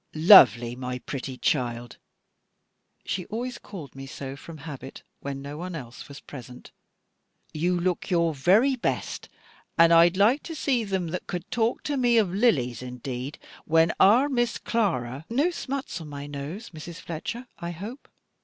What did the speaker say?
"Lovely, my pretty child" she always called me so from habit when no one else was present "you look your very best; and I'd like to see them that could talk to me of Lilies indeed, when our Miss Clara " "No smuts on my nose, Mrs. Fletcher, I hope?